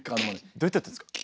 どうやってやってるんですか？